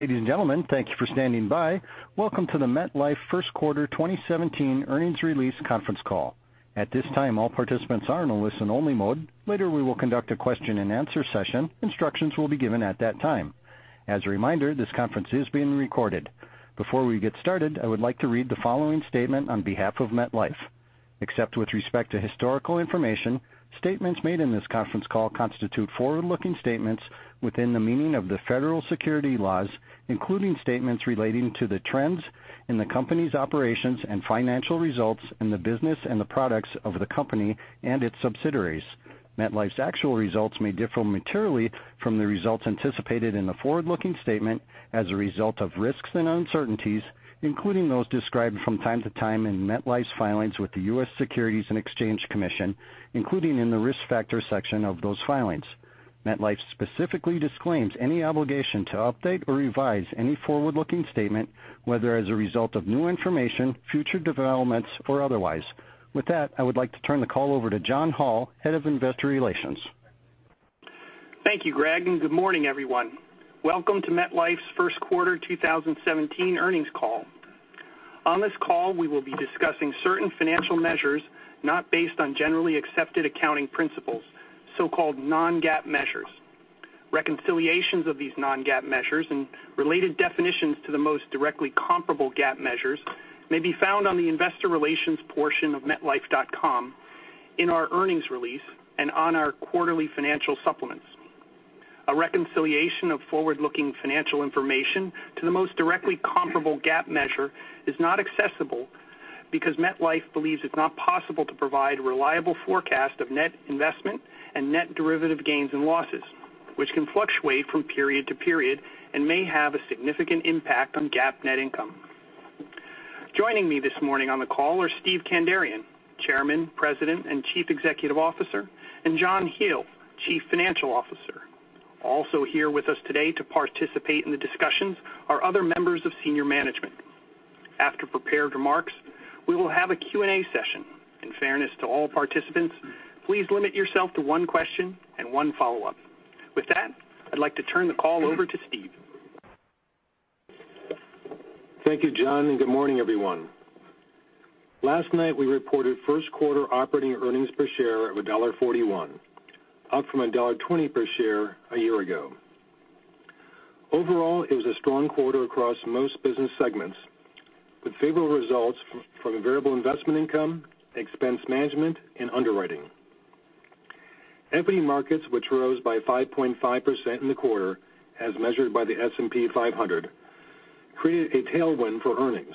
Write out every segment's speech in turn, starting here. Ladies and gentlemen, thank you for standing by. Welcome to the MetLife First Quarter 2017 Earnings Release Conference Call. At this time, all participants are in a listen-only mode. Later, we will conduct a question-and-answer session. Instructions will be given at that time. As a reminder, this conference is being recorded. Before we get started, I would like to read the following statement on behalf of MetLife. Except with respect to historical information, statements made in this conference call constitute forward-looking statements within the meaning of the Federal Securities Laws, including statements relating to the trends in the company's operations and financial results in the business and the products of the company and its subsidiaries. MetLife's actual results may differ materially from the results anticipated in the forward-looking statement as a result of risks and uncertainties, including those described from time to time in MetLife's filings with the U.S. Securities and Exchange Commission, including in the Risk Factor section of those filings. MetLife specifically disclaims any obligation to update or revise any forward-looking statement, whether as a result of new information, future developments, or otherwise. With that, I would like to turn the call over to John Hall, Head of Investor Relations. Thank you, Greg, and good morning, everyone. Welcome to MetLife's First Quarter 2017 earnings call. On this call, we will be discussing certain financial measures not based on generally accepted accounting principles, so-called non-GAAP measures. Reconciliations of these non-GAAP measures and related definitions to the most directly comparable GAAP measures may be found on the investor relations portion of metlife.com, in our earnings release, and on our quarterly financial supplements. A reconciliation of forward-looking financial information to the most directly comparable GAAP measure is not accessible because MetLife believes it's not possible to provide reliable forecast of net investment and net derivative gains and losses, which can fluctuate from period to period and may have a significant impact on GAAP net income. Joining me this morning on the call are Steve Kandarian, Chairman, President, and Chief Executive Officer, and John Hele, Chief Financial Officer. Also here with us today to participate in the discussions are other members of senior management. After prepared remarks, we will have a Q&A session. In fairness to all participants, please limit yourself to one question and one follow-up. With that, I'd like to turn the call over to Steve. Thank you, John, and good morning, everyone. Last night, we reported first quarter operating earnings per share of $1.41, up from $1.20 per share a year ago. Overall, it was a strong quarter across most business segments, with favorable results from variable investment income, expense management, and underwriting. Equity markets, which rose by 5.5% in the quarter as measured by the S&P 500, created a tailwind for earnings,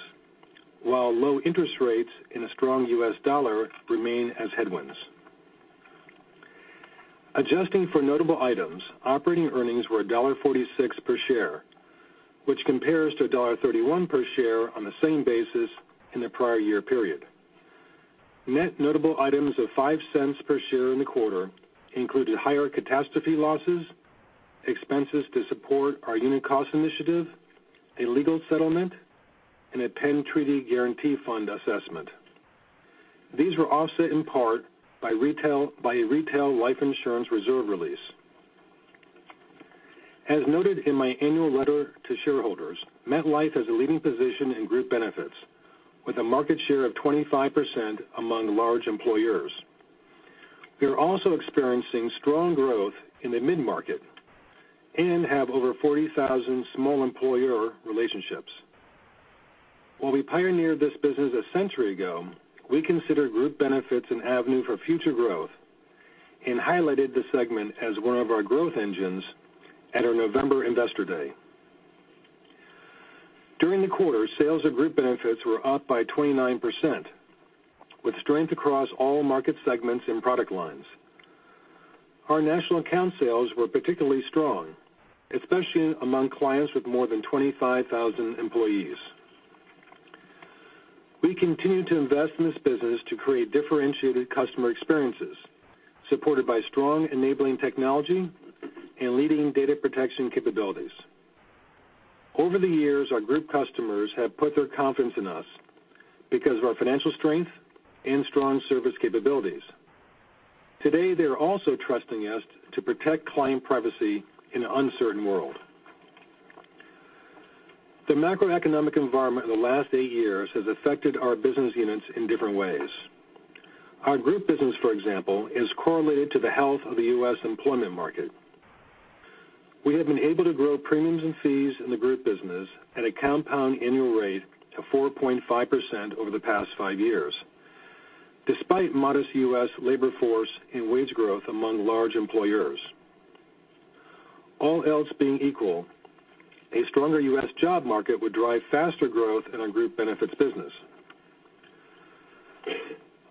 while low interest rates and a strong U.S. dollar remain as headwinds. Adjusting for notable items, operating earnings were $1.46 per share, which compares to $1.31 per share on the same basis in the prior year period. Net notable items of $0.05 per share in the quarter included higher catastrophe losses, expenses to support our unit cost initiative, a legal settlement, and a Penn Treaty guarantee fund assessment. These were offset in part by a retail life insurance reserve release. As noted in my annual letter to shareholders, MetLife has a leading position in Group Benefits, with a market share of 25% among large employers. We are also experiencing strong growth in the mid-market and have over 40,000 small employer relationships. While we pioneered this business a century ago, we consider Group Benefits an avenue for future growth and highlighted the segment as one of our growth engines at our November investor day. During the quarter, sales of Group Benefits were up by 29%, with strength across all market segments and product lines. Our national account sales were particularly strong, especially among clients with more than 25,000 employees. We continue to invest in this business to create differentiated customer experiences, supported by strong enabling technology and leading data protection capabilities. Over the years, our group customers have put their confidence in us because of our financial strength and strong service capabilities. Today, they're also trusting us to protect client privacy in an uncertain world. The macroeconomic environment in the last eight years has affected our business units in different ways. Our group business, for example, is correlated to the health of the U.S. employment market. We have been able to grow premiums and fees in the group business at a compound annual rate to 4.5% over the past five years, despite modest U.S. labor force and wage growth among large employers. All else being equal, a stronger U.S. job market would drive faster growth in our Group Benefits business.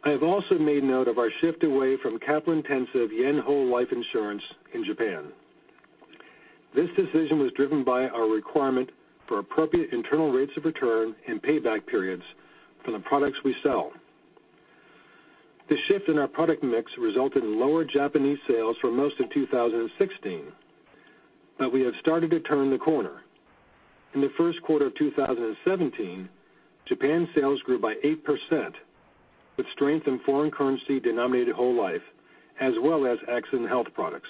I have also made note of our shift away from capital-intensive yen whole life insurance in Japan. This decision was driven by our requirement for appropriate internal rates of return and payback periods for the products we sell. The shift in our product mix resulted in lower Japanese sales for most of 2016, but we have started to turn the corner. In the first quarter of 2017, Japan sales grew by 8% with strength in foreign currency denominated whole life, as well as accident health products.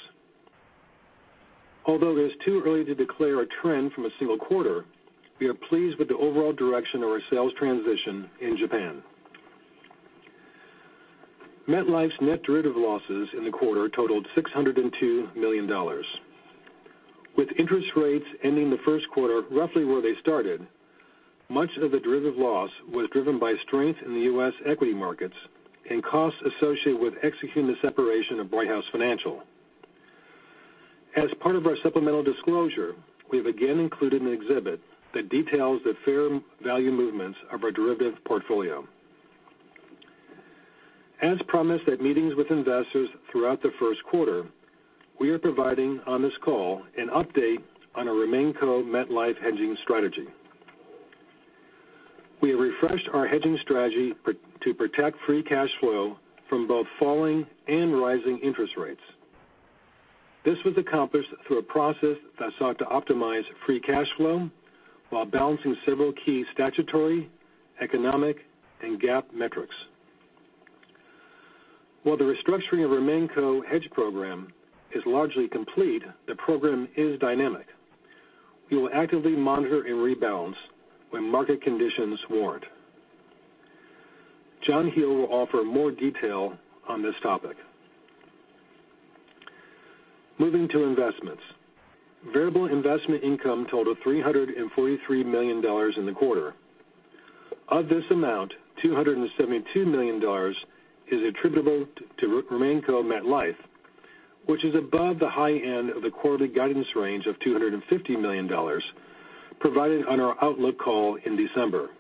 Although it is too early to declare a trend from a single quarter, we are pleased with the overall direction of our sales transition in Japan. MetLife's net derivative losses in the quarter totaled $602 million. With interest rates ending the first quarter roughly where they started, much of the derivative loss was driven by strength in the U.S. equity markets and costs associated with executing the separation of Brighthouse Financial. As part of our supplemental disclosure, we have again included an exhibit that details the fair value movements of our derivative portfolio. As promised at meetings with investors throughout the first quarter, we are providing on this call an update on our RemainCo MetLife hedging strategy. We have refreshed our hedging strategy to protect free cash flow from both falling and rising interest rates. This was accomplished through a process that sought to optimize free cash flow while balancing several key statutory, economic and GAAP metrics. While the restructuring of RemainCo hedge program is largely complete, the program is dynamic. We will actively monitor and rebalance when market conditions warrant. John Hill will offer more detail on this topic. Moving to investments. Variable investment income totaled $343 million in the quarter. Of this amount, $272 million is attributable to RemainCo MetLife, which is above the high end of the quarterly guidance range of $250 million provided on our outlook call in December.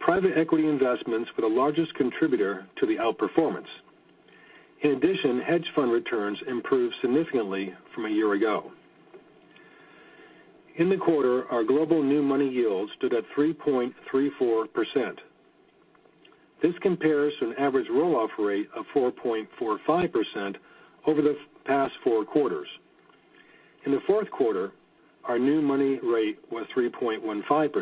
Private equity investments were the largest contributor to the outperformance. In addition, hedge fund returns improved significantly from a year ago. In the quarter, our global new money yield stood at 3.34%. This compares to an average roll-off rate of 4.45% over the past four quarters. In the fourth quarter, our new money rate was 3.15%.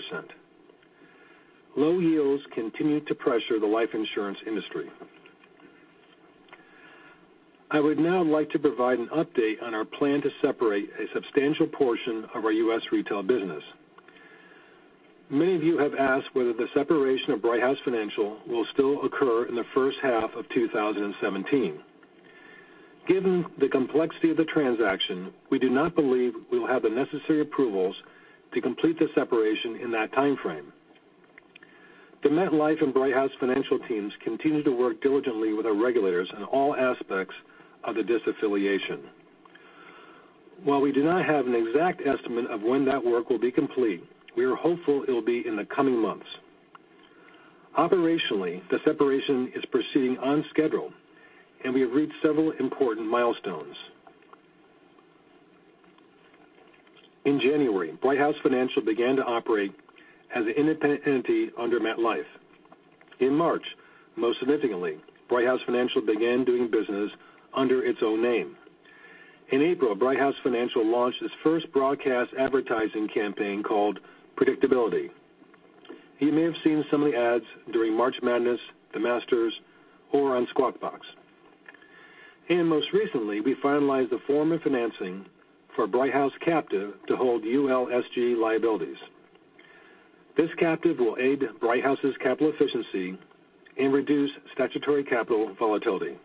Low yields continue to pressure the life insurance industry. I would now like to provide an update on our plan to separate a substantial portion of our U.S. retail business. Many of you have asked whether the separation of Brighthouse Financial will still occur in the first half of 2017. Given the complexity of the transaction, we do not believe we will have the necessary approvals to complete the separation in that time frame. The MetLife and Brighthouse Financial teams continue to work diligently with our regulators on all aspects of the disaffiliation. While we do not have an exact estimate of when that work will be complete, we are hopeful it'll be in the coming months. Operationally, the separation is proceeding on schedule, and we have reached several important milestones. In January, Brighthouse Financial began to operate as an independent entity under MetLife. In March, most significantly, Brighthouse Financial began doing business under its own name. In April, Brighthouse Financial launched its first broadcast advertising campaign called Predictability. You may have seen some of the ads during March Madness, The Masters, or on Squawk Box. Most recently, we finalized the form of financing for Brighthouse Captive to hold ULSG liabilities. This captive will aid Brighthouse's capital efficiency and reduce statutory capital volatility.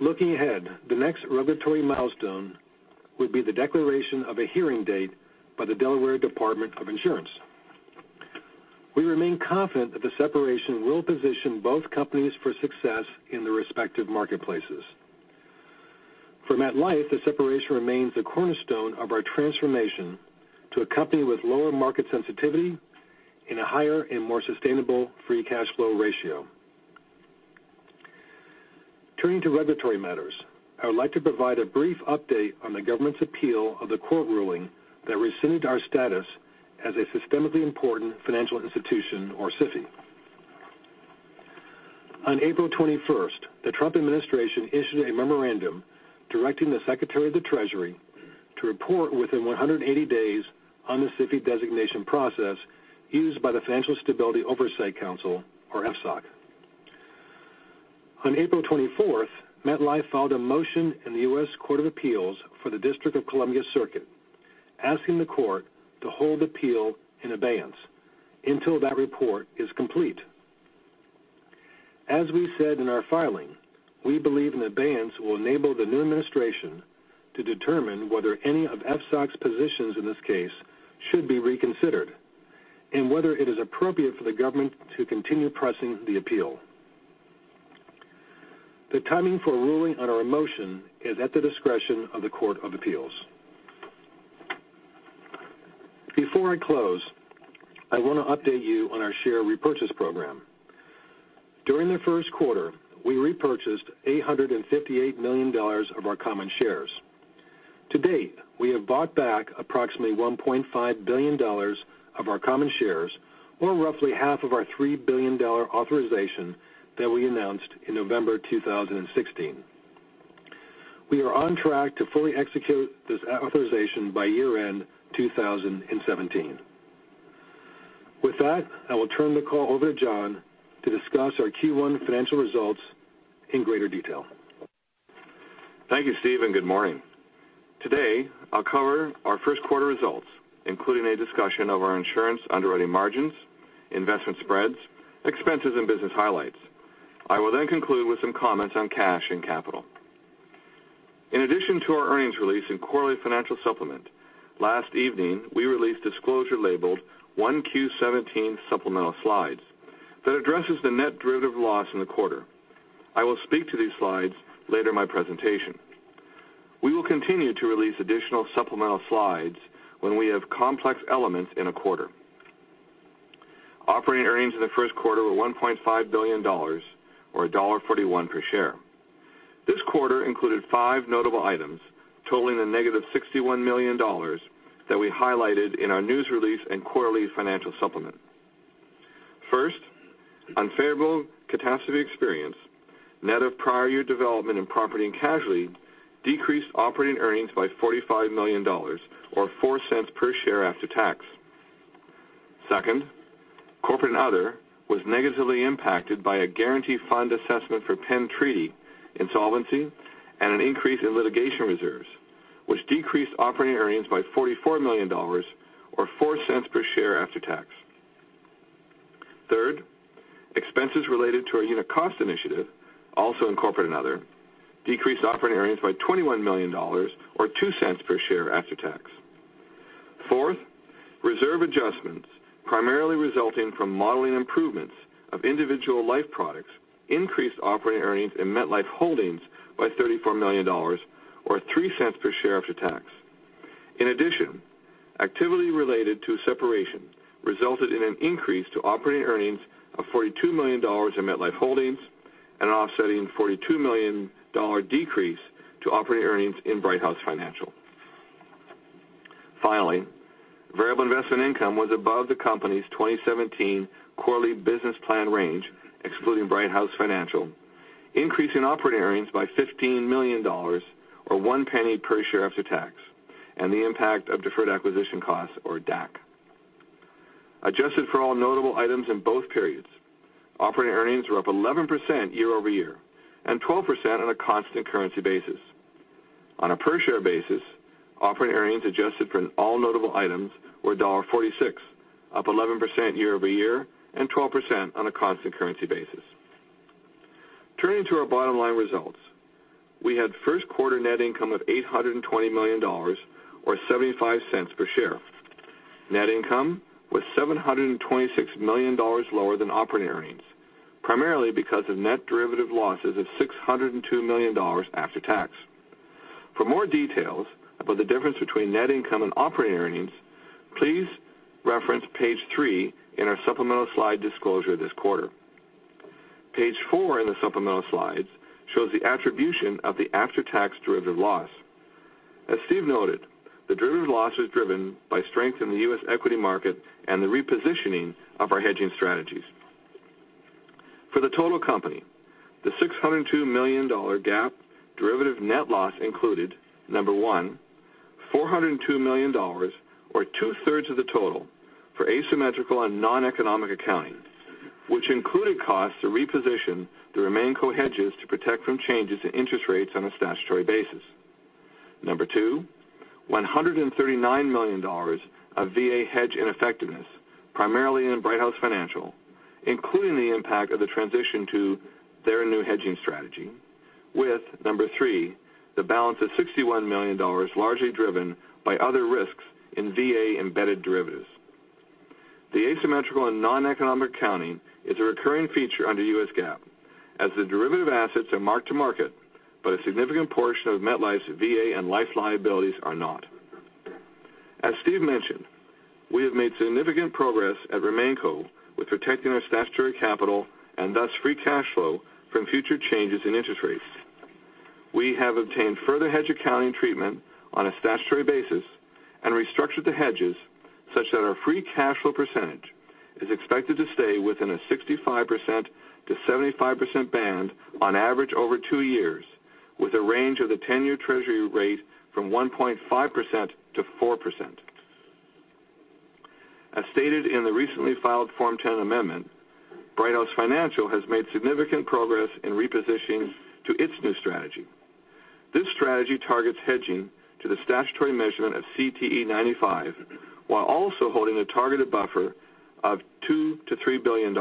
Looking ahead, the next regulatory milestone would be the declaration of a hearing date by the Delaware Department of Insurance. We remain confident that the separation will position both companies for success in their respective marketplaces. For MetLife, the separation remains the cornerstone of our transformation to a company with lower market sensitivity and a higher and more sustainable free cash flow ratio. Turning to regulatory matters, I would like to provide a brief update on the government's appeal of the court ruling that rescinded our status as a systemically important financial institution or SIFI. On April 21st, the Trump administration issued a memorandum directing the Secretary of the Treasury to report within 180 days on the SIFI designation process used by the Financial Stability Oversight Council, or FSOC. On April 24th, MetLife filed a motion in the U.S. Court of Appeals for the District of Columbia Circuit, asking the court to hold appeal in abeyance until that report is complete. As we said in our filing, we believe an abeyance will enable the new administration to determine whether any of FSOC's positions in this case should be reconsidered, and whether it is appropriate for the government to continue pressing the appeal. The timing for a ruling on our motion is at the discretion of the Court of Appeals. Before I close, I want to update you on our share repurchase program. During the first quarter, we repurchased $858 million of our common shares. To date, we have bought back approximately $1.5 billion of our common shares, or roughly half of our $3 billion authorization that we announced in November 2016. We are on track to fully execute this authorization by year-end 2017. With that, I will turn the call over to John to discuss our Q1 financial results in greater detail. Thank you, Steve, and good morning. Today, I'll cover our first quarter results, including a discussion of our insurance underwriting margins, investment spreads, expenses and business highlights. I will then conclude with some comments on cash and capital. In addition to our earnings release and quarterly financial supplement, last evening, we released disclosure labeled 1Q17 supplemental slides that addresses the net derivative loss in the quarter. I will speak to these slides later in my presentation. We will continue to release additional supplemental slides when we have complex elements in a quarter. Operating earnings in the first quarter were $1.5 billion, or $1.41 per share. This quarter included five notable items totaling the negative $61 million that we highlighted in our news release and quarterly financial supplement. First, unfavorable catastrophe experience, net of prior year development in property and casualty decreased operating earnings by $45 million or $0.04 per share after tax. Second, corporate and other was negatively impacted by a guarantee fund assessment for Penn Treaty insolvency and an increase in litigation reserves, which decreased operating earnings by $44 million or $0.04 per share after tax. Third, expenses related to our unit cost initiative, also in corporate and other, decreased operating earnings by $21 million or $0.02 per share after tax. Fourth, reserve adjustments, primarily resulting from modeling improvements of individual life products, increased operating earnings in MetLife Holdings by $34 million or $0.03 per share after tax. In addition, activity related to separation resulted in an increase to operating earnings of $42 million in MetLife Holdings and an offsetting $42 million decrease to operating earnings in Brighthouse Financial. Finally, variable investment income was above the company's 2017 quarterly business plan range, excluding Brighthouse Financial, increasing operating earnings by $15 million or $0.01 per share after tax, and the impact of deferred acquisition costs or DAC. Adjusted for all notable items in both periods, operating earnings were up 11% year-over-year and 12% on a constant currency basis. On a per share basis, operating earnings adjusted for all notable items were $1.46, up 11% year-over-year and 12% on a constant currency basis. Turning to our bottom line results. We had first quarter net income of $820 million or $0.75 per share. Net income was $726 million lower than operating earnings, primarily because of net derivative losses of $602 million after tax. For more details about the difference between net income and operating earnings, please reference page three in our supplemental slide disclosure this quarter. Page four in the supplemental slides shows the attribution of the after-tax derivative loss. As Steve noted, the derivative loss is driven by strength in the U.S. equity market and the repositioning of our hedging strategies. For the total company, the $602 million GAAP derivative net loss included, number one, $402 million or two-thirds of the total for asymmetrical and noneconomic accounting, which included costs to reposition the RemainCo hedges to protect from changes in interest rates on a statutory basis. Number two, $139 million of VA hedge ineffectiveness, primarily in Brighthouse Financial, including the impact of the transition to their new hedging strategy with, number three, the balance of $61 million, largely driven by other risks in VA-embedded derivatives. The asymmetrical and noneconomic accounting is a recurring feature under U.S. GAAP, as the derivative assets are marked to market, but a significant portion of MetLife's VA and life liabilities are not. As Steve mentioned, we have made significant progress at RemainCo with protecting our statutory capital and thus free cash flow from future changes in interest rates. We have obtained further hedge accounting treatment on a statutory basis and restructured the hedges such that our free cash flow percentage is expected to stay within a 65%-75% band on average over two years with a range of the 10-year treasury rate from 1.5%-4%. As stated in the recently filed Form 10 amendment, Brighthouse Financial has made significant progress in repositioning to its new strategy. This strategy targets hedging to the statutory measurement of CTE 95, while also holding a targeted buffer of $2 billion-$3 billion.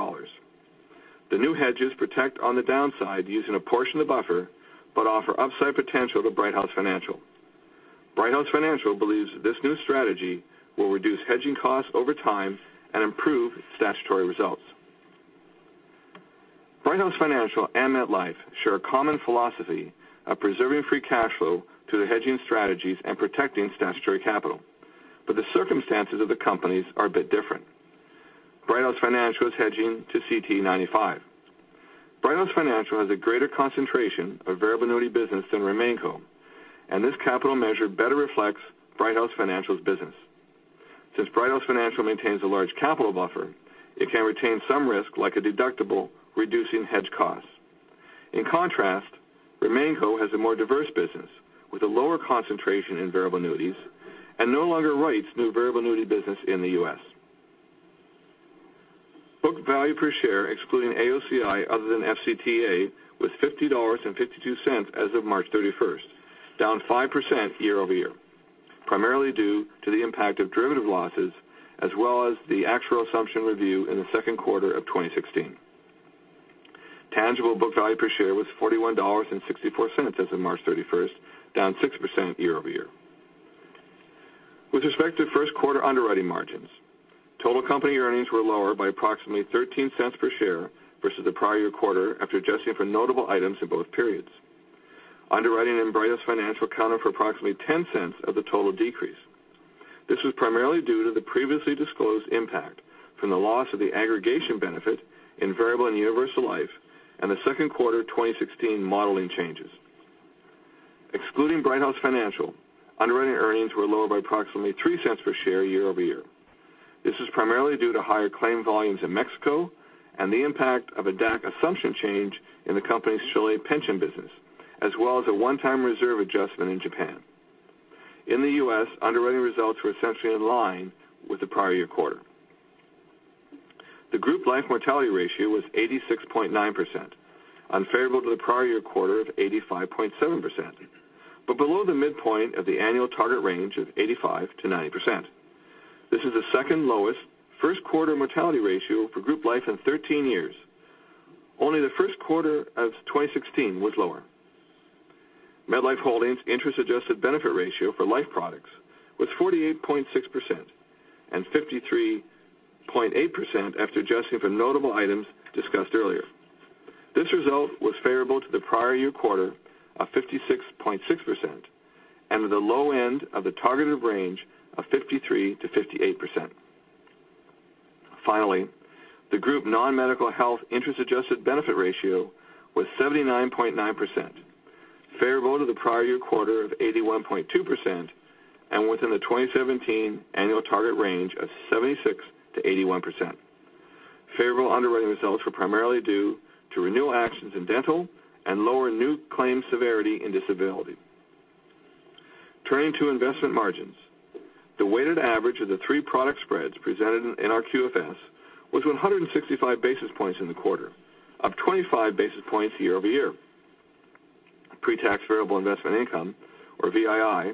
The new hedges protect on the downside using a portion of the buffer but offer upside potential to Brighthouse Financial. Brighthouse Financial believes this new strategy will reduce hedging costs over time and improve statutory results. Brighthouse Financial and MetLife share a common philosophy of preserving free cash flow to the hedging strategies and protecting statutory capital. The circumstances of the companies are a bit different. Brighthouse Financial is hedging to CTE 95. Brighthouse Financial has a greater concentration of variable annuity business than RemainCo, and this capital measure better reflects Brighthouse Financial's business. Since Brighthouse Financial maintains a large capital buffer, it can retain some risk, like a deductible, reducing hedge costs. In contrast, RemainCo has a more diverse business with a lower concentration in variable annuities and no longer writes new variable annuity business in the U.S. Book value per share, excluding AOCI other than FCTA, was $50.52 as of March 31st, down 5% year-over-year, primarily due to the impact of derivative losses as well as the actual assumption review in the second quarter of 2016. Tangible book value per share was $41.64 as of March 31st, down 6% year-over-year. With respect to first quarter underwriting margins, total company earnings were lower by approximately $0.13 per share versus the prior year quarter after adjusting for notable items in both periods. Underwriting in Brighthouse Financial accounted for approximately $0.10 of the total decrease. This was primarily due to the previously disclosed impact from the loss of the aggregation benefit in variable and universal life and the second quarter 2016 modeling changes. Excluding Brighthouse Financial, underwriting earnings were lower by approximately $0.03 per share year-over-year. This is primarily due to higher claim volumes in Mexico and the impact of a DAC assumption change in the company's Chile pension business, as well as a one-time reserve adjustment in Japan. In the U.S., underwriting results were essentially in line with the prior year quarter. The group life mortality ratio was 86.9%, unfavorable to the prior year quarter of 85.7%, but below the midpoint of the annual target range of 85%-90%. This is the second lowest first quarter mortality ratio for group life in 13 years. Only the first quarter of 2016 was lower. MetLife Holdings interest-adjusted benefit ratio for life products was 48.6% and 53.8% after adjusting for notable items discussed earlier. This result was favorable to the prior year quarter of 56.6% and with the low end of the targeted range of 53%-58%. Finally, the group non-medical health interest-adjusted benefit ratio was 79.9%, favorable to the prior year quarter of 81.2% and within the 2017 annual target range of 76%-81%. Favorable underwriting results were primarily due to renewal actions in dental and lower new claim severity in disability. Turning to investment margins. The weighted average of the three product spreads presented in our QFS was 165 basis points in the quarter, up 25 basis points year-over-year. Pre-tax variable investment income, or VII,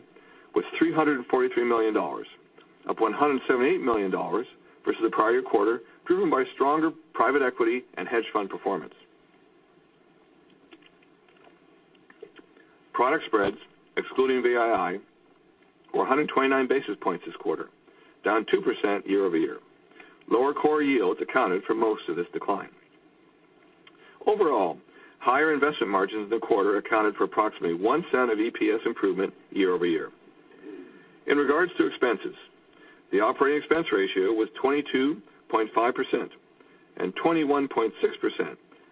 was $343 million, up $178 million versus the prior quarter, driven by stronger private equity and hedge fund performance. Product spreads excluding VII were 129 basis points this quarter, down 2% year-over-year. Lower core yields accounted for most of this decline. Overall, higher investment margins in the quarter accounted for approximately $0.01 of EPS improvement year-over-year. In regards to expenses, the operating expense ratio was 22.5% and 21.6%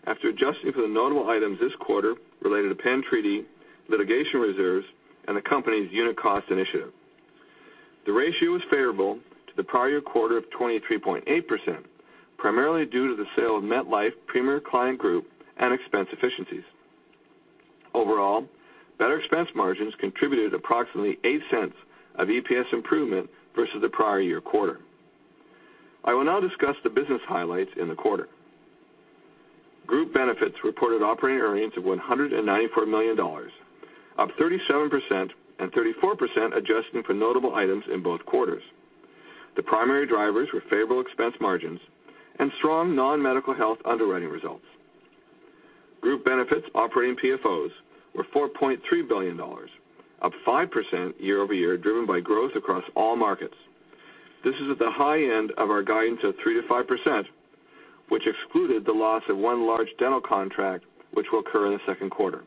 after adjusting for the notable items this quarter related to Penn Treaty litigation reserves and the company's unit cost initiative. The ratio was favorable to the prior year quarter of 23.8%, primarily due to the sale of MetLife Premier Client Group and expense efficiencies. Overall, better expense margins contributed approximately $0.08 of EPS improvement versus the prior year quarter. I will now discuss the business highlights in the quarter. Group Benefits reported operating earnings of $194 million, up 37% and 34% adjusting for notable items in both quarters. The primary drivers were favorable expense margins and strong non-medical health underwriting results. Group Benefits operating PFOs were $4.3 billion, up 5% year-over-year, driven by growth across all markets. This is at the high end of our guidance of 3%-5%, which excluded the loss of one large dental contract, which will occur in the second quarter.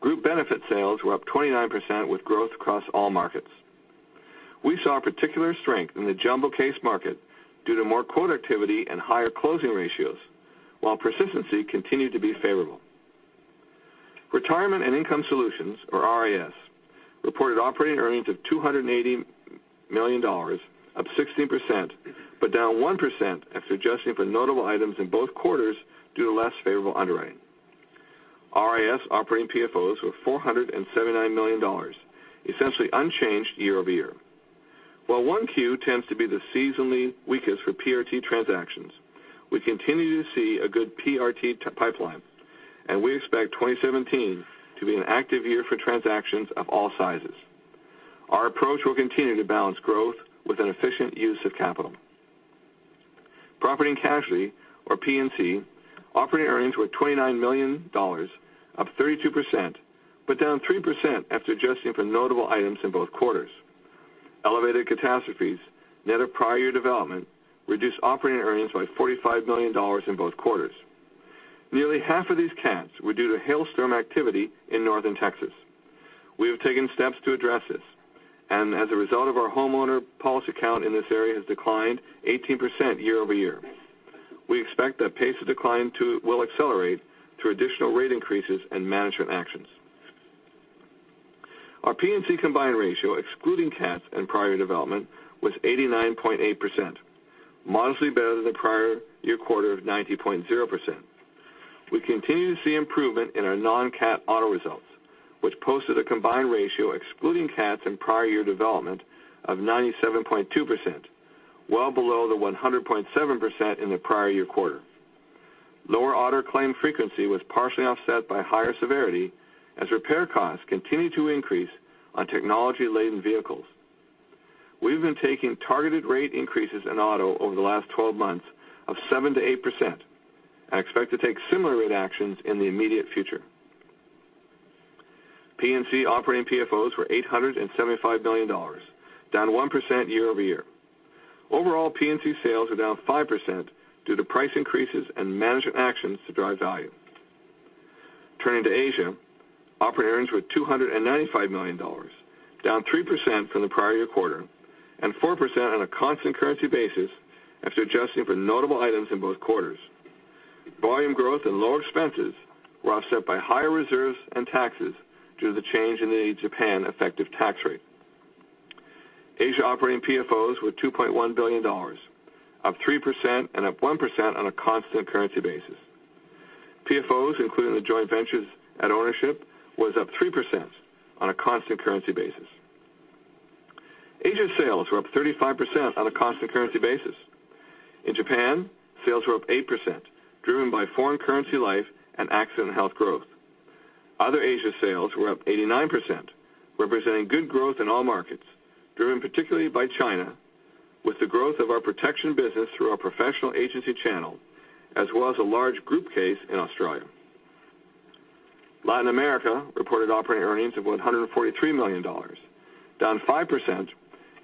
Group Benefits sales were up 29% with growth across all markets. We saw particular strength in the jumbo case market due to more quote activity and higher closing ratios, while persistency continued to be favorable. Retirement and Income Solutions, or RIS, reported operating earnings of $280 million, up 16%, but down 1% after adjusting for notable items in both quarters due to less favorable underwriting. RIS operating PFOs were $479 million, essentially unchanged year-over-year. While 1Q tends to be the seasonally weakest for PRT transactions, we continue to see a good PRT pipeline, and we expect 2017 to be an active year for transactions of all sizes. Our approach will continue to balance growth with an efficient use of capital. Property and Casualty, or P&C, operating earnings were at $29 million, up 32%, but down 3% after adjusting for notable items in both quarters. Elevated Catastrophe losses net of prior year development reduced operating earnings by $45 million in both quarters. Nearly half of these cats were due to hailstorm activity in northern Texas. We have taken steps to address this, and as a result of our homeowner policy count in this area has declined 18% year-over-year. We expect that pace of decline will accelerate through additional rate increases and management actions. Our P&C combined ratio, excluding CATs and prior year development, was 89.8%, modestly better than the prior year quarter of 90.0%. We continue to see improvement in our non-CAT auto results, which posted a combined ratio excluding CATs and prior year development of 97.2%, well below the 100.7% in the prior year quarter. Lower auto claim frequency was partially offset by higher severity as repair costs continue to increase on technology-laden vehicles. We've been taking targeted rate increases in auto over the last 12 months of 7%-8% and expect to take similar rate actions in the immediate future. P&C operating PFOs were $875 million, down 1% year-over-year. Overall, P&C sales are down 5% due to price increases and management actions to drive value. Turning to Asia. Operating earnings were $295 million, down 3% from the prior year quarter and 4% on a constant currency basis after adjusting for notable items in both quarters. Volume growth and lower expenses were offset by higher reserves and taxes due to the change in the Japan effective tax rate. Asia operating PFOs were $2.1 billion, up 3% and up 1% on a constant currency basis. PFOs, including the joint ventures at ownership, was up 3% on a constant currency basis. Asia sales were up 35% on a constant currency basis. In Japan, sales were up 8%, driven by foreign currency life and accident health growth. Other Asia sales were up 89%, representing good growth in all markets, driven particularly by China, with the growth of our protection business through our professional agency channel, as well as a large group case in Australia. Latin America reported operating earnings of $143 million, down 5%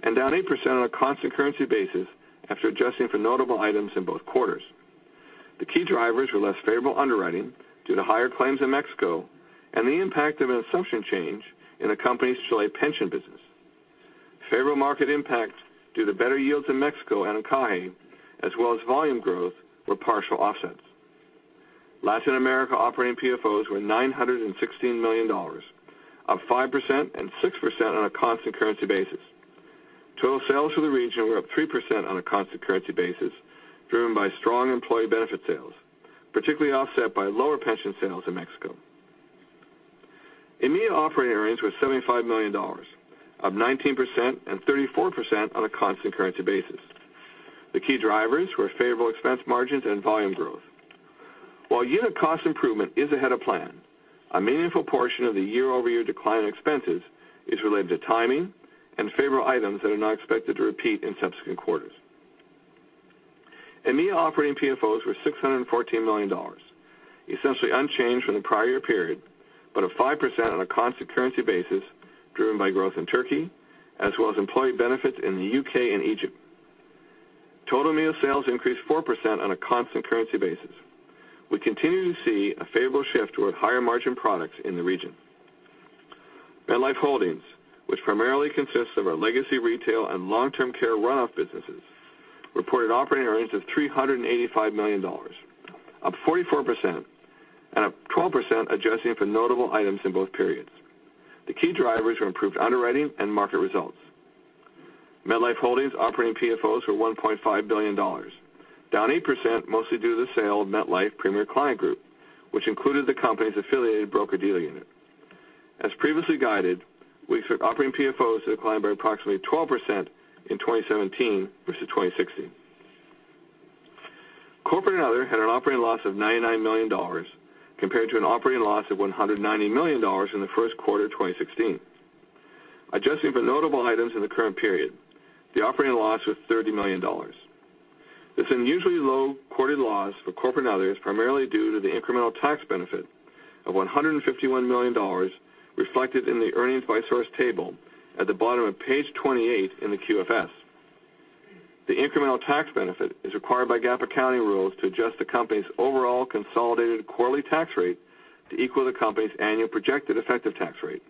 and down 8% on a constant currency basis after adjusting for notable items in both quarters. The key drivers were less favorable underwriting due to higher claims in Mexico and the impact of an assumption change in the company's Chile pension business. Favorable market impacts due to better yields in Mexico and in CAHE, as well as volume growth, were partial offsets. Latin America operating PFOs were $916 million, up 5% and 6% on a constant currency basis. Total sales for the region were up 3% on a constant currency basis, driven by strong employee benefit sales, partially offset by lower pension sales in Mexico. EMEA operating earnings were $75 million, up 19% and 34% on a constant currency basis. The key drivers were favorable expense margins and volume growth. While unit cost improvement is ahead of plan, a meaningful portion of the year-over-year decline in expenses is related to timing and favorable items that are not expected to repeat in subsequent quarters. EMEA operating PFOs were $614 million, essentially unchanged from the prior year period, but up 5% on a constant currency basis, driven by growth in Turkey as well as employee benefits in the U.K. and Egypt. Total EMEA sales increased 4% on a constant currency basis. We continue to see a favorable shift toward higher margin products in the region. MetLife Holdings, which primarily consists of our legacy retail and long-term care runoff businesses, reported operating earnings of $385 million, up 44% and up 12% adjusting for notable items in both periods. The key drivers were improved underwriting and market results. MetLife Holdings operating PFOs were $1.5 billion, down 8% mostly due to the sale of MetLife Premier Client Group, which included the company's affiliated broker-dealer unit. As previously guided, we expect operating PFOs to decline by approximately 12% in 2017 versus 2016. Corporate and other had an operating loss of $99 million compared to an operating loss of $190 million in the first quarter of 2016. Adjusting for notable items in the current period, the operating loss was $30 million. This unusually low quarterly loss for corporate and other is primarily due to the incremental tax benefit of $151 million reflected in the earnings by source table at the bottom of page 28 in the QFS. The incremental tax benefit is required by GAAP accounting rules to adjust the company's overall consolidated quarterly tax rate to equal the company's annual projected effective tax rate.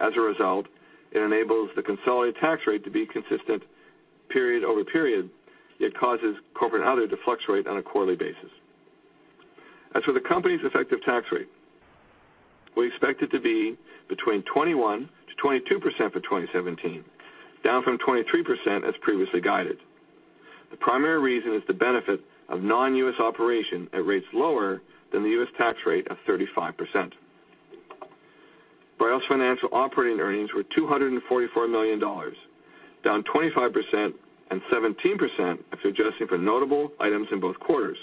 As a result, it enables the consolidated tax rate to be consistent period over period, yet causes corporate and other to fluctuate on a quarterly basis. As for the company's effective tax rate, we expect it to be between 21%-22% for 2017, down from 23% as previously guided. The primary reason is the benefit of non-U.S. operation at rates lower than the U.S. tax rate of 35%. Brighthouse Financial operating earnings were $244 million, down 25% and 17% after adjusting for notable items in both quarters.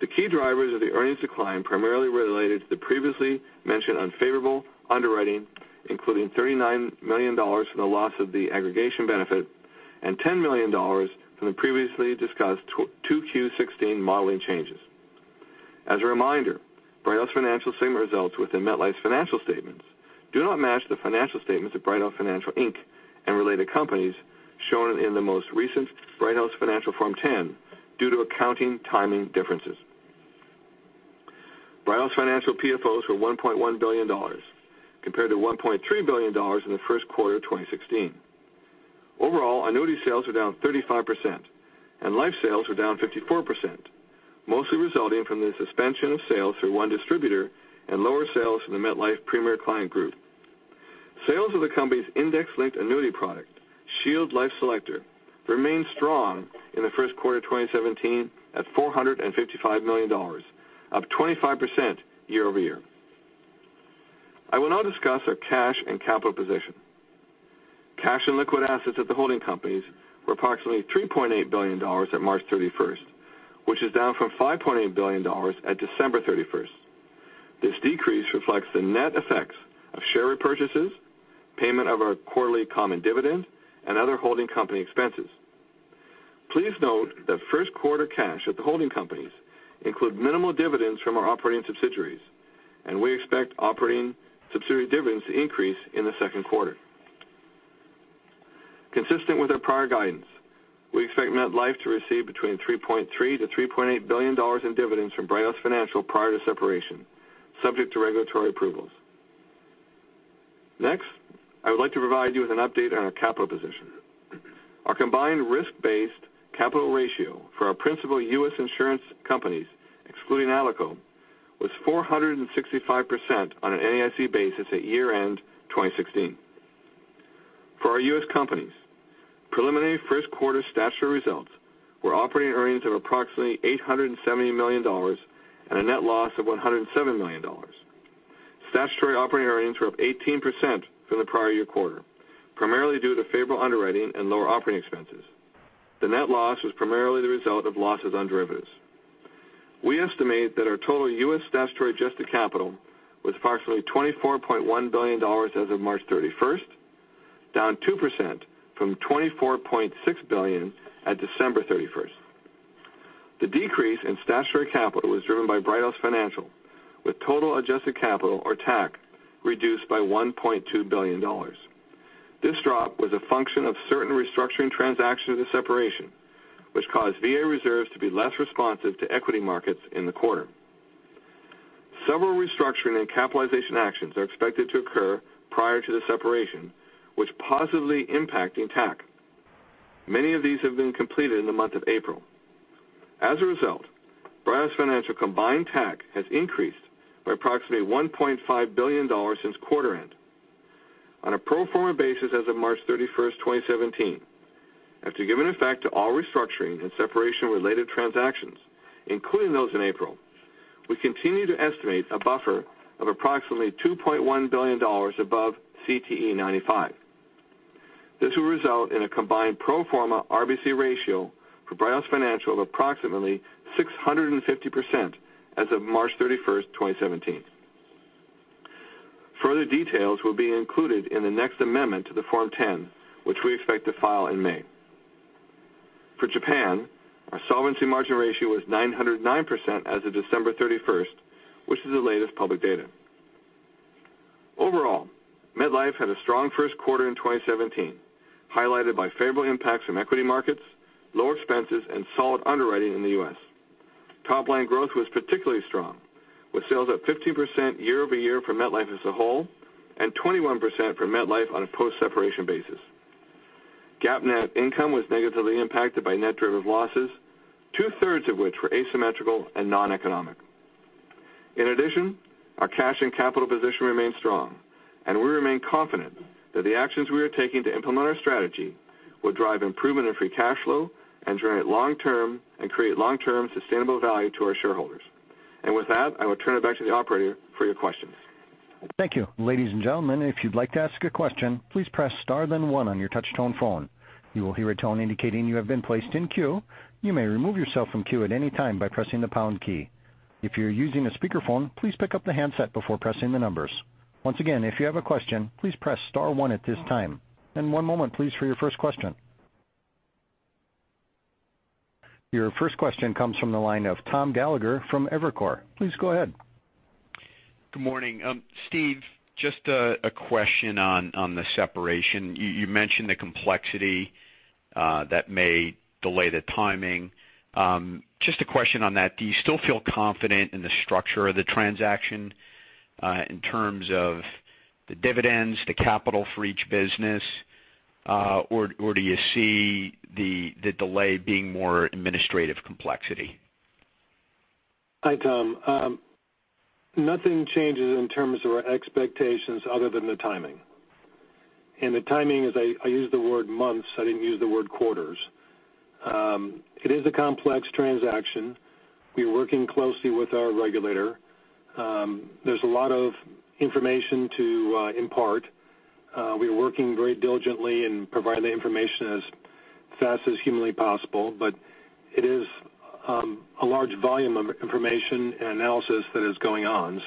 The key drivers of the earnings decline primarily related to the previously mentioned unfavorable underwriting, including $39 million from the loss of the aggregation benefit and $10 million from the previously discussed 2Q16 modeling changes. As a reminder, Brighthouse Financial segment results within MetLife's financial statements do not match the financial statements of Brighthouse Financial, Inc. and related companies shown in the most recent Brighthouse Financial Form 10 due to accounting timing differences. Brighthouse Financial PFOs were $1.1 billion, compared to $1.3 billion in the first quarter of 2016. Overall, annuity sales were down 35%, and life sales were down 54%, mostly resulting from the suspension of sales through one distributor and lower sales to the MetLife Premier Client Group. Sales of the company's index-linked annuity product, Shield Level Selector, remained strong in the first quarter 2017 at $455 million, up 25% year-over-year. I will now discuss our cash and capital position. Cash and liquid assets at the holding companies were approximately $3.8 billion at March 31st, which is down from $5.8 billion at December 31st. This decrease reflects the net effects of share repurchases, payment of our quarterly common dividend, and other holding company expenses. Please note that first quarter cash at the holding companies include minimal dividends from our operating subsidiaries, and we expect operating subsidiary dividends to increase in the second quarter. Consistent with our prior guidance, we expect MetLife to receive between $3.3 billion-$3.8 billion in dividends from Brighthouse Financial prior to separation, subject to regulatory approvals. Next, I would like to provide you with an update on our capital position. Our combined risk-based capital ratio for our principal U.S. insurance companies, excluding Alico, was 465% on an NAIC basis at year-end 2016. For our U.S. companies, preliminary first quarter statutory results were operating earnings of approximately $870 million and a net loss of $107 million. Statutory operating earnings were up 18% from the prior year quarter, primarily due to favorable underwriting and lower operating expenses. The net loss was primarily the result of losses on derivatives. We estimate that our total U.S. statutory adjusted capital was approximately $24.1 billion as of March 31st, down 2% from $24.6 billion at December 31st. The decrease in statutory capital was driven by Brighthouse Financial, with total adjusted capital, or TAC, reduced by $1.2 billion. This drop was a function of certain restructuring transactions of the separation, which caused VA reserves to be less responsive to equity markets in the quarter. Several restructuring and capitalization actions are expected to occur prior to the separation, which positively impact TAC. Many of these have been completed in the month of April. As a result, Brighthouse Financial combined TAC has increased by approximately $1.5 billion since quarter end. On a pro forma basis as of March 31st, 2017, after giving effect to all restructuring and separation-related transactions, including those in April, we continue to estimate a buffer of approximately $2.1 billion above CTE 95. This will result in a combined pro forma RBC ratio for Brighthouse Financial of approximately 650% as of March 31st, 2017. Further details will be included in the next amendment to the Form 10, which we expect to file in May. For Japan, our solvency margin ratio was 909% as of December 31st, which is the latest public data. Overall, MetLife had a strong first quarter in 2017, highlighted by favorable impacts from equity markets, lower expenses, and solid underwriting in the U.S. Top line growth was particularly strong, with sales up 15% year-over-year for MetLife as a whole and 21% for MetLife on a post-separation basis. GAAP net income was negatively impacted by net derivative losses, two-thirds of which were asymmetrical and noneconomic. In addition, our cash and capital position remains strong, and we remain confident that the actions we are taking to implement our strategy will drive improvement in free cash flow and create long-term sustainable value to our shareholders. With that, I will turn it back to the operator for your questions. Thank you. Ladies and gentlemen, if you'd like to ask a question, please press star then one on your touch-tone phone. You will hear a tone indicating you have been placed in queue. You may remove yourself from queue at any time by pressing the pound key. If you're using a speakerphone, please pick up the handset before pressing the numbers. Once again, if you have a question, please press star one at this time. One moment please for your first question. Your first question comes from the line of Thomas Gallagher from Evercore. Please go ahead. Good morning. Steve, just a question on the separation. You mentioned the complexity that may delay the timing. Just a question on that. Do you still feel confident in the structure of the transaction in terms of the dividends, the capital for each business, or do you see the delay being more administrative complexity? Hi, Tom. Nothing changes in terms of our expectations other than the timing, the timing is, I used the word months, I didn't use the word quarters. It is a complex transaction. We are working closely with our regulator. There's a lot of information to impart. We are working very diligently in providing the information as fast as humanly possible, but it is a large volume of information and analysis that is going on.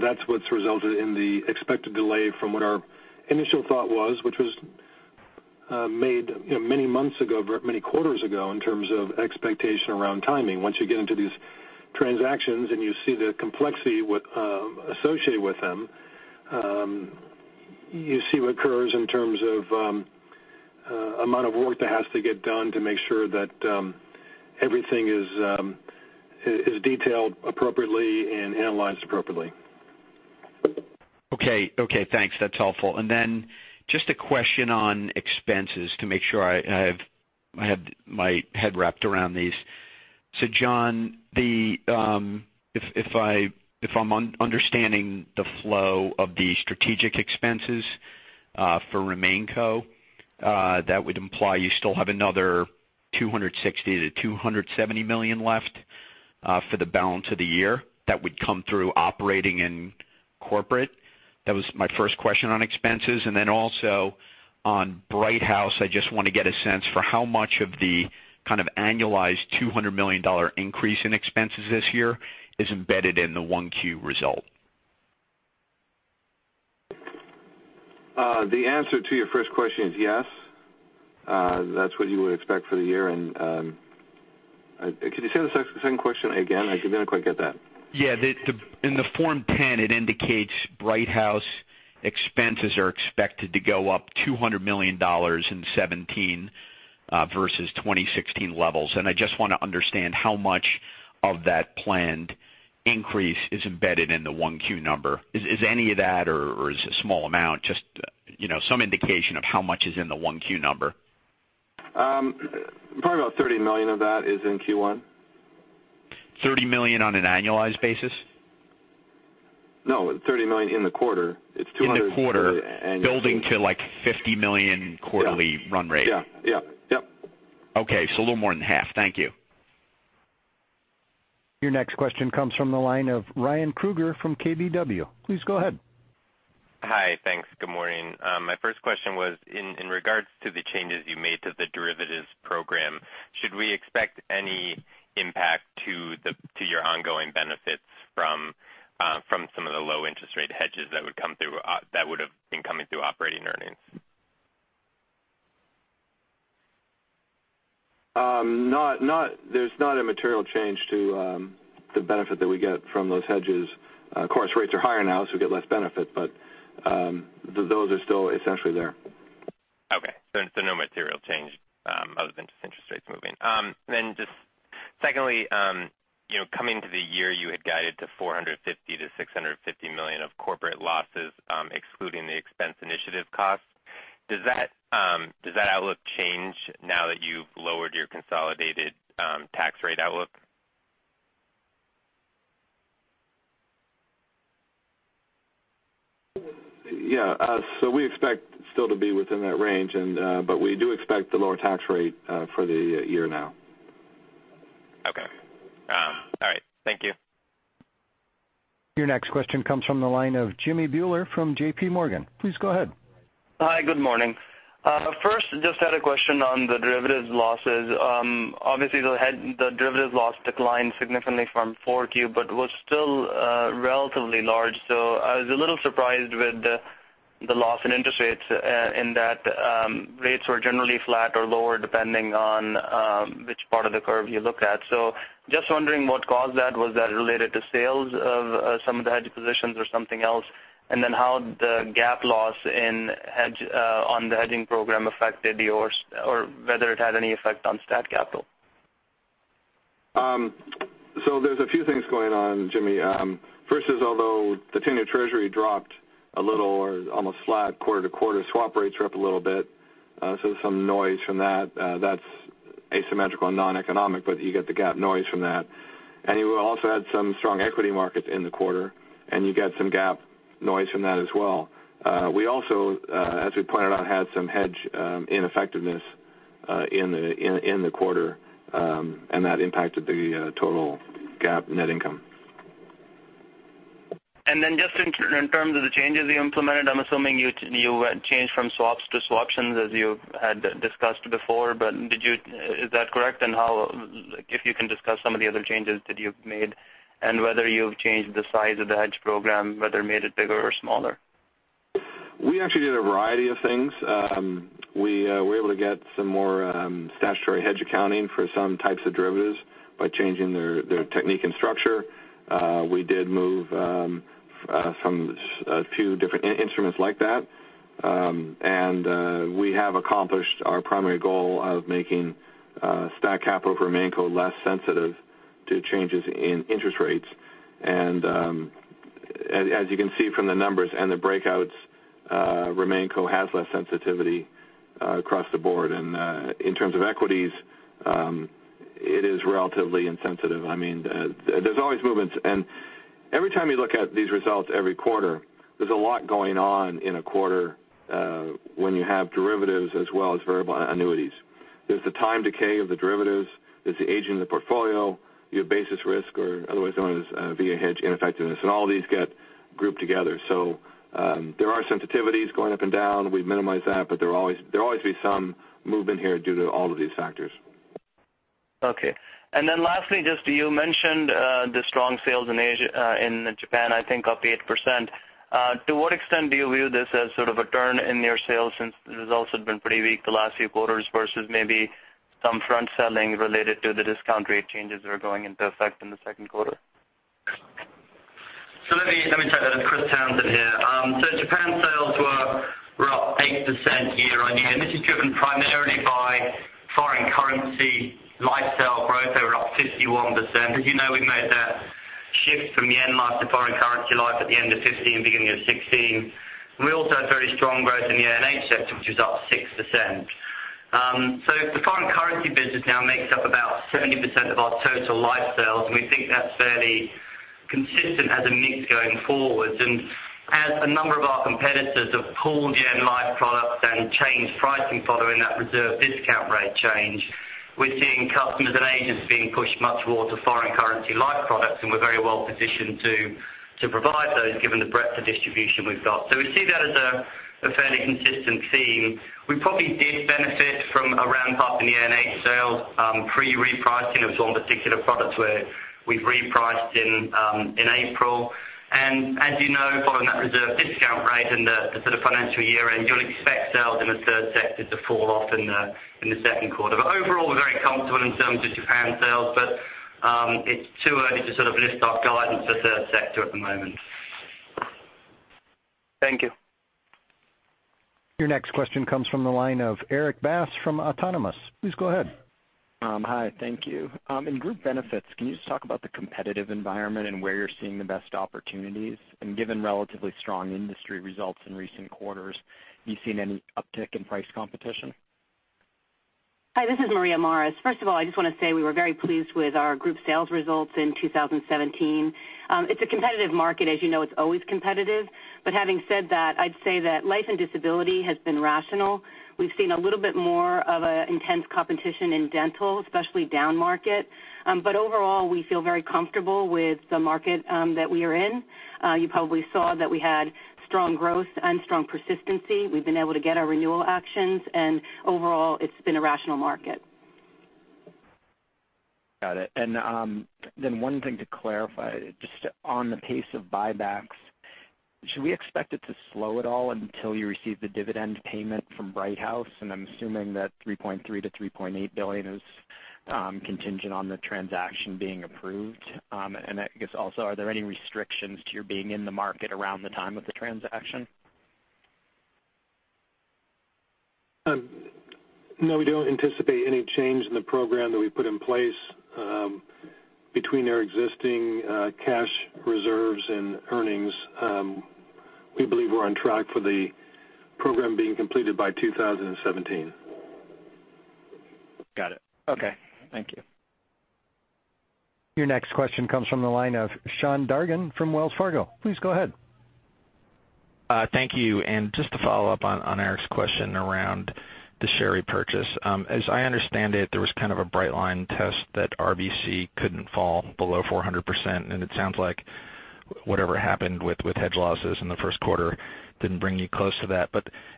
That's what's resulted in the expected delay from what our initial thought was, which was made many months ago, many quarters ago, in terms of expectation around timing. Once you get into these transactions and you see the complexity associated with them, you see what occurs in terms of amount of work that has to get done to make sure that everything is detailed appropriately and analyzed appropriately. Okay. Thanks. That's helpful. Just a question on expenses to make sure I have my head wrapped around these. John, if I'm understanding the flow of the strategic expenses for RemainCo, that would imply you still have another $260 million-$270 million left for the balance of the year that would come through operating and corporate. That was my first question on expenses. Also on Brighthouse, I just want to get a sense for how much of the kind of annualized $200 million increase in expenses this year is embedded in the 1Q result. The answer to your first question is yes. That's what you would expect for the year. Could you say the second question again? I didn't quite get that. Yeah. In the Form 10, it indicates Brighthouse expenses are expected to go up $200 million in 2017 versus 2016 levels. I just want to understand how much of that planned increase is embedded in the 1Q number. Is any of that or is it a small amount? Just some indication of how much is in the 1Q number. Probably about $30 million of that is in Q1. $30 million on an annualized basis? No, $30 million in the quarter. It's 200- In the quarter building to like $50 million quarterly run rate. Yeah. Okay. A little more than half. Thank you. Your next question comes from the line of Ryan Krueger from KBW. Please go ahead. Hi. Thanks. Good morning. My first question was in regards to the changes you made to the derivatives program. Should we expect any impact to your ongoing benefits from some of the low interest rate hedges that would have been coming through operating earnings? There's not a material change to the benefit that we get from those hedges. Of course, rates are higher now, so we get less benefit, but those are still essentially there. Okay. No material change other than just interest rates moving. Just secondly, coming to the year you had guided to $450 million-$650 million of corporate losses excluding the expense initiative costs. Does that outlook change now that you've lowered your consolidated tax rate outlook? We expect still to be within that range. We do expect the lower tax rate for the year now. Okay. All right. Thank you. Your next question comes from the line of Jimmy Bhullar from J.P. Morgan. Please go ahead. Hi, good morning. First just had a question on the derivatives losses. Obviously, the derivatives loss declined significantly from 4Q but was still relatively large. I was a little surprised with the loss in interest rates in that rates were generally flat or lower depending on which part of the curve you look at. Just wondering what caused that. Was that related to sales of some of the hedge positions or something else? How the GAAP loss on the hedging program affected yours or whether it had any effect on stat capital. There's a few things going on, Jimmy. First is, although the 10-year Treasury dropped a little or almost flat quarter-over-quarter, swap rates are up a little bit. Some noise from that. That's asymmetrical and noneconomic, but you get the GAAP noise from that. You also had some strong equity markets in the quarter, and you get some GAAP noise from that as well. We also, as we pointed out, had some hedge ineffectiveness in the quarter, and that impacted the total GAAP net income. Just in terms of the changes you implemented, I'm assuming you changed from swaps to swaptions as you had discussed before, but is that correct? If you can discuss some of the other changes that you've made and whether you've changed the size of the hedge program, whether it made it bigger or smaller. We actually did a variety of things. We were able to get some more statutory hedge accounting for some types of derivatives by changing their technique and structure. We did move a few different instruments like that. We have accomplished our primary goal of making stat capital for RemainCo less sensitive to changes in interest rates. As you can see from the numbers and the breakouts, RemainCo has less sensitivity across the board. In terms of equities, it is relatively insensitive. There's always movements. Every time you look at these results every quarter, there's a lot going on in a quarter when you have derivatives as well as variable annuities. There's the time decay of the derivatives. There's the aging of the portfolio, your basis risk, or otherwise known as VA hedge ineffectiveness. All these get grouped together. There are sensitivities going up and down. We minimize that, but there will always be some movement here due to all of these factors. Lastly, just you mentioned the strong sales in Japan, I think up 8%. To what extent do you view this as sort of a turn in your sales since the results have been pretty weak the last few quarters versus maybe some front selling related to the discount rate changes that are going into effect in the second quarter? Let me take that. Christopher Townsend here. Japan sales were up 8% year-on-year, this is driven primarily by foreign currency life sale growth that were up 51%. As you know, we made that shift from yen life to foreign currency life at the end of 2015, beginning of 2016. We also had very strong growth in the A&H sector, which was up 6%. The foreign currency business now makes up about 70% of our total life sales, and we think that's fairly consistent as a mix going forward. As a number of our competitors have pulled yen life products and changed pricing following that reserve discount rate change, we're seeing customers and agents being pushed much towards the foreign currency life products, and we're very well positioned to provide those given the breadth of distribution we've got. We see that as a fairly consistent theme. We probably did benefit from a ramp-up in the A&H sales pre-repricing of some particular products where we've repriced in April. As you know, following that reserve discount rate and the sort of financial year-end, you'll expect sales in the third sector to fall off in the second quarter. Overall, we're very comfortable in terms of Japan sales. It's too early to sort of lift our guidance for third sector at the moment. Thank you. Your next question comes from the line of Erik Bass from Autonomous. Please go ahead. Hi. Thank you. In Group Benefits, can you just talk about the competitive environment and where you're seeing the best opportunities? Given relatively strong industry results in recent quarters, have you seen any uptick in price competition? Hi, this is Maria Morris. First of all, I just want to say we were very pleased with our group sales results in 2017. It's a competitive market, as you know, it's always competitive. Having said that, I'd say that life and disability has been rational. We've seen a little bit more of an intense competition in dental, especially down market. Overall, we feel very comfortable with the market that we are in. You probably saw that we had strong growth and strong persistency. We've been able to get our renewal actions, overall, it's been a rational market. Got it. Then one thing to clarify, just on the pace of buybacks, should we expect it to slow at all until you receive the dividend payment from Brighthouse? I'm assuming that $3.3 billion-$3.8 billion is contingent on the transaction being approved. I guess also, are there any restrictions to your being in the market around the time of the transaction? No, we don't anticipate any change in the program that we put in place. Between our existing cash reserves and earnings, we believe we're on track for the program being completed by 2017. Got it. Okay. Thank you. Your next question comes from the line of Sean Dargan from Wells Fargo. Please go ahead. Thank you. Just to follow up on Erik's question around the share repurchase, as I understand it, there was kind of a bright line test that RBC couldn't fall below 400%, and it sounds like whatever happened with hedge losses in the first quarter didn't bring you close to that.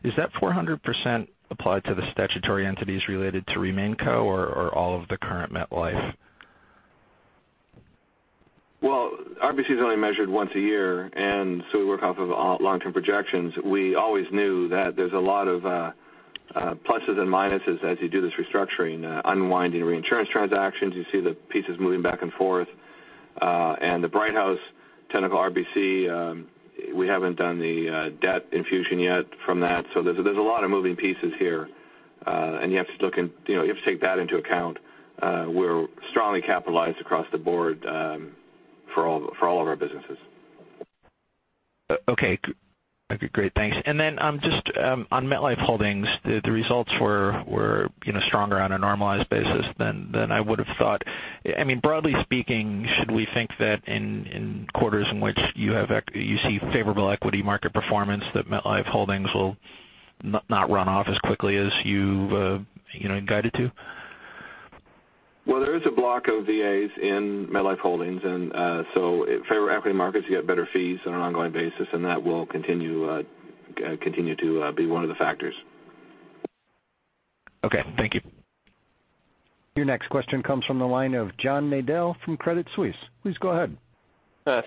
Is that 400% applied to the statutory entities related to RemainCo or all of the current MetLife? Well, RBC is only measured once a year. We work off of long-term projections. We always knew that there's a lot of pluses and minuses as you do this restructuring, unwinding reinsurance transactions, you see the pieces moving back and forth. The Brighthouse 10 of RBC, we haven't done the debt infusion yet from that. There's a lot of moving pieces here, and you have to take that into account. We're strongly capitalized across the board for all of our businesses. Okay. Great. Thanks. Just on MetLife Holdings, the results were stronger on a normalized basis than I would've thought. Broadly speaking, should we think that in quarters in which you see favorable equity market performance, that MetLife Holdings will not run off as quickly as you've guided to? Well, there is a block of VAs in MetLife Holdings. Favorable equity markets, you get better fees on an ongoing basis, and that will continue to be one of the factors. Okay. Thank you. Your next question comes from the line of John Nadel from Credit Suisse. Please go ahead.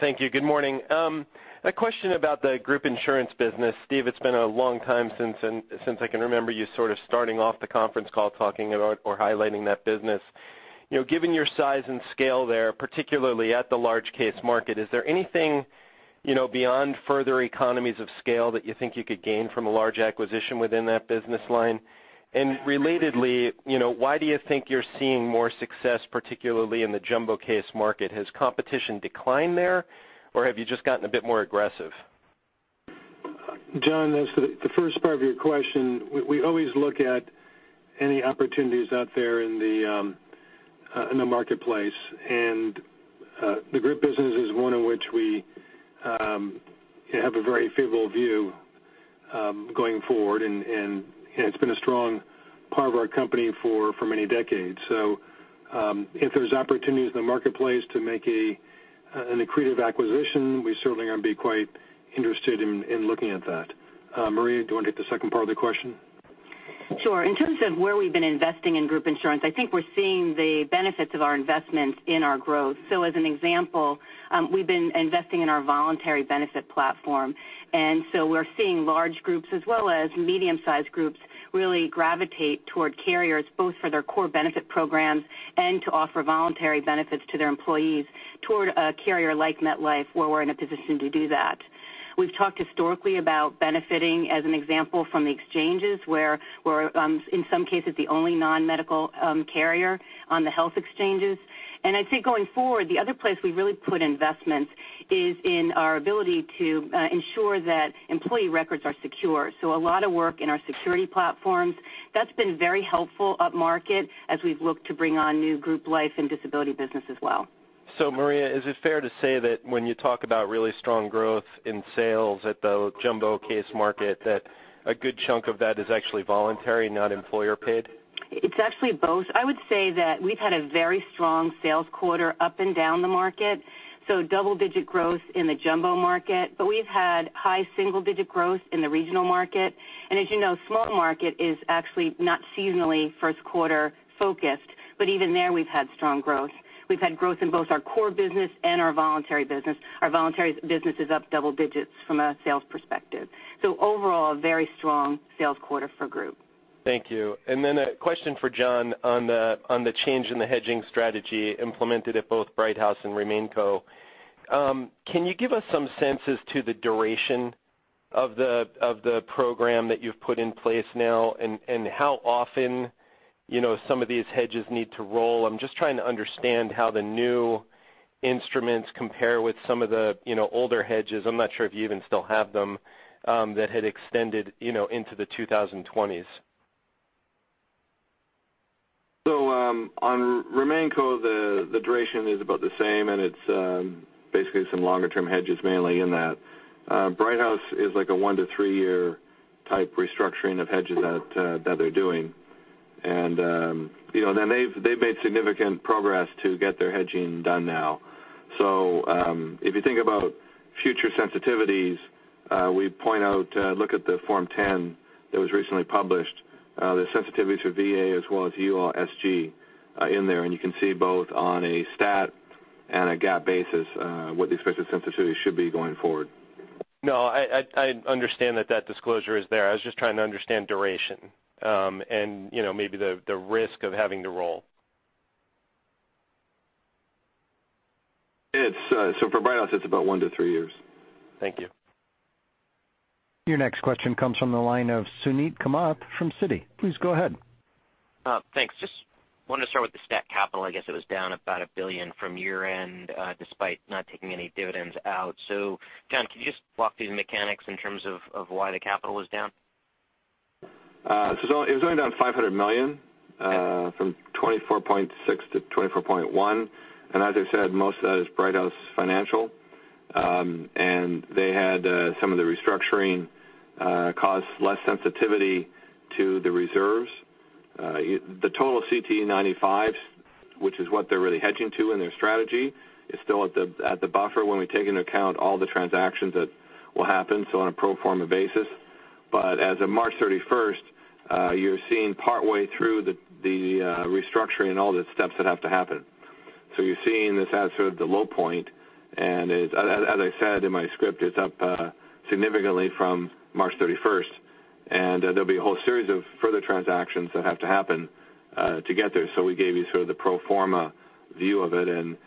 Thank you. Good morning. A question about the group insurance business. Steve, it's been a long time since I can remember you sort of starting off the conference call talking about or highlighting that business. Given your size and scale there, particularly at the large case market, is there anything beyond further economies of scale that you think you could gain from a large acquisition within that business line? Relatedly, why do you think you're seeing more success, particularly in the jumbo case market? Has competition declined there, or have you just gotten a bit more aggressive? John, as to the first part of your question, we always look at any opportunities out there in the marketplace. The group business is one in which we have a very favorable view going forward. It's been a strong part of our company for many decades. If there's opportunities in the marketplace to make an accretive acquisition, we certainly are going to be quite interested in looking at that. Maria, do you want to hit the second part of the question? Sure. In terms of where we've been investing in group insurance, I think we're seeing the benefits of our investment in our growth. As an example, we've been investing in our voluntary benefit platform. We're seeing large groups as well as medium-sized groups really gravitate toward carriers, both for their core benefit programs and to offer voluntary benefits to their employees toward a carrier like MetLife, where we're in a position to do that. We've talked historically about benefiting, as an example, from the exchanges where we're, in some cases, the only non-medical carrier on the health exchanges. I'd say going forward, the other place we really put investments is in our ability to ensure that employee records are secure. A lot of work in our security platforms. That's been very helpful up market as we've looked to bring on new group life and disability business as well. Maria, is it fair to say that when you talk about really strong growth in sales at the jumbo case market, that a good chunk of that is actually voluntary, not employer paid? It's actually both. I would say that we've had a very strong sales quarter up and down the market. Double-digit growth in the jumbo market. We've had high single-digit growth in the regional market. As you know, small market is actually not seasonally first quarter focused, but even there we've had strong growth. We've had growth in both our core business and our voluntary business. Our voluntary business is up double digits from a sales perspective. Overall, a very strong sales quarter for group. Thank you. A question for John on the change in the hedging strategy implemented at both Brighthouse and RemainCo. Can you give us some sense as to the duration of the program that you've put in place now, and how often some of these hedges need to roll? I'm just trying to understand how the new instruments compare with some of the older hedges, I'm not sure if you even still have them, that had extended into the 2020s. On RemainCo, the duration is about the same, and it's basically some longer-term hedges mainly in that. Brighthouse is like a one to three-year type restructuring of hedges that they're doing. They've made significant progress to get their hedging done now. If you think about future sensitivities, we point out, look at the Form 10 that was recently published. The sensitivity to VA as well as ULSG in there, and you can see both on a stat and a GAAP basis, what the expected sensitivity should be going forward. No, I understand that that disclosure is there. I was just trying to understand duration, and maybe the risk of having to roll. For Brighthouse, it's about one to three years. Thank you. Your next question comes from the line of Suneet Kamath from Citi. Please go ahead. Thanks. Just wanted to start with the stat capital. I guess it was down about $1 billion from year-end, despite not taking any dividends out. John, can you just walk through the mechanics in terms of why the capital was down? It was only down $500 million from $24.6 billion to $24.1 billion. As I said, most of that is Brighthouse Financial. They had some of the restructuring cause less sensitivity to the reserves. The total CTE 95, which is what they're really hedging to in their strategy, is still at the buffer when we take into account all the transactions that will happen, so on a pro forma basis. As of March 31st, you're seeing partway through the restructuring and all the steps that have to happen. You're seeing this as sort of the low point, and as I said in my script, it's up significantly from March 31st, and there'll be a whole series of further transactions that have to happen to get there. We gave you sort of the pro forma view of it, and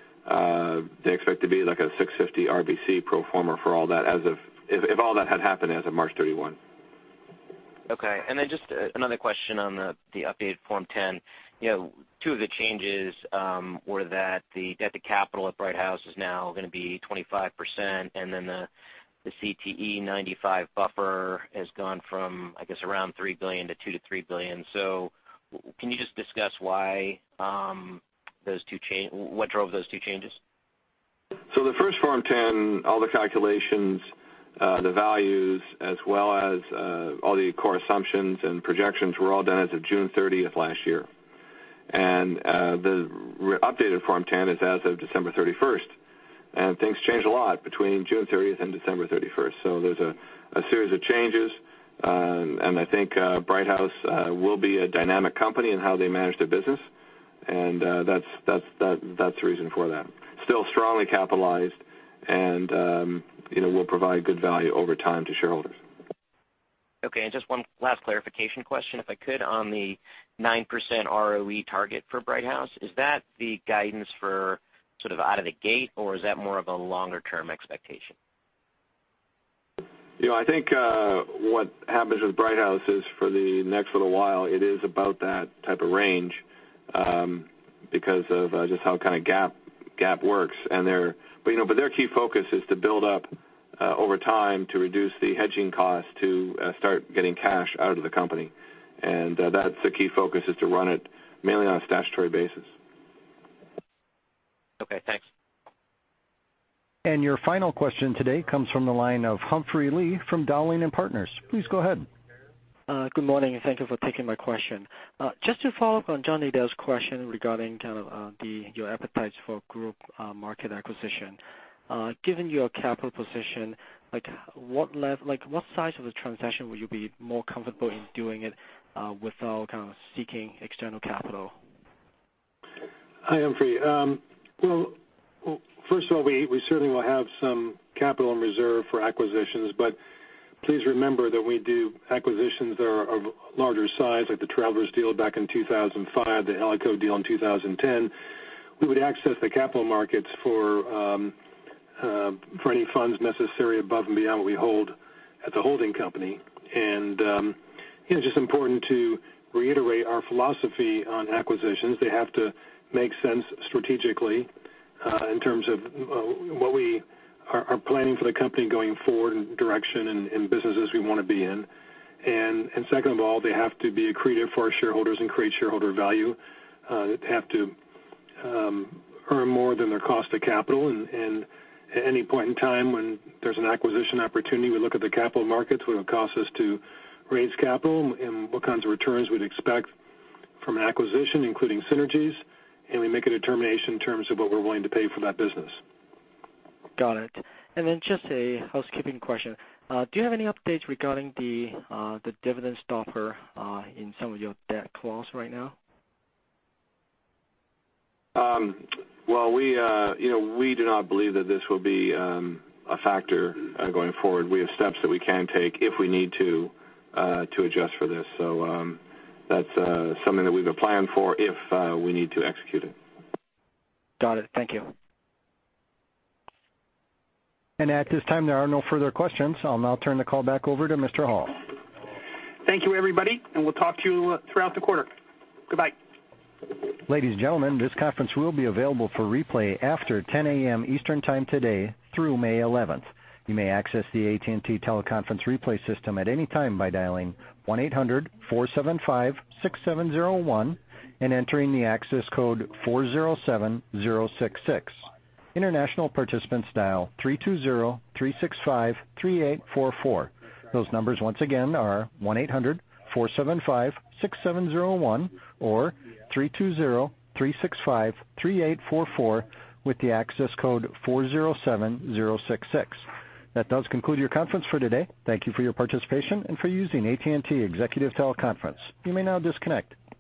they expect to be like a 650 RBC pro forma for all that as if all that had happened as of March 31. Okay. Just another question on the updated Form 10. Two of the changes were that the debt to capital at Brighthouse is now going to be 25%, the CTE95 buffer has gone from, I guess, around $2 billion-$3 billion. Can you just discuss what drove those two changes? The first Form 10, all the calculations, the values, as well as all the core assumptions and projections were all done as of June 30th last year. The updated Form 10 is as of December 31st. Things change a lot between June 30th and December 31st. There's a series of changes, and I think Brighthouse will be a dynamic company in how they manage their business. That's the reason for that. Still strongly capitalized and will provide good value over time to shareholders. Okay, just one last clarification question, if I could, on the 9% ROE target for Brighthouse. Is that the guidance for sort of out of the gate, or is that more of a longer-term expectation? I think what happens with Brighthouse is for the next little while, it is about that type of range because of just how kind of GAAP works. Their key focus is to build up over time to reduce the hedging cost to start getting cash out of the company. That's the key focus is to run it mainly on a statutory basis. Okay, thanks. Your final question today comes from the line of Humphrey Lee from Dowling & Partners. Please go ahead. Good morning, and thank you for taking my question. Just to follow up on John Nadel's question regarding kind of your appetite for group market acquisition. Given your capital position, what size of a transaction would you be more comfortable in doing it without kind of seeking external capital? Hi, Humphrey. Well, first of all, we certainly will have some capital and reserve for acquisitions. Please remember that we do acquisitions that are of larger size, like the Travelers deal back in 2005, the Alico deal in 2010. We would access the capital markets for any funds necessary above and beyond what we hold at the holding company. It's just important to reiterate our philosophy on acquisitions. They have to make sense strategically in terms of what we are planning for the company going forward in direction and businesses we want to be in. Second of all, they have to be accretive for our shareholders and create shareholder value. They have to earn more than their cost of capital. At any point in time when there's an acquisition opportunity, we look at the capital markets, what it would cost us to raise capital, and what kinds of returns we'd expect from an acquisition, including synergies. We make a determination in terms of what we're willing to pay for that business. Got it. Then just a housekeeping question. Do you have any updates regarding the dividend stopper in some of your debt clause right now? Well, we do not believe that this will be a factor going forward. We have steps that we can take if we need to adjust for this. That's something that we've been planning for if we need to execute it. Got it. Thank you. At this time, there are no further questions. I'll now turn the call back over to Mr. Hall. Thank you, everybody, and we'll talk to you throughout the quarter. Goodbye. Ladies and gentlemen, this conference will be available for replay after 10:00 A.M. Eastern Time today through May 11th. You may access the AT&T Teleconference replay system at any time by dialing 1-800-475-6701 and entering the access code 407066. International participants dial 320-365-3844. Those numbers once again are 1-800-475-6701 or 320-365-3844 with the access code 407066. That does conclude your conference for today. Thank you for your participation and for using AT&T Executive Teleconference. You may now disconnect.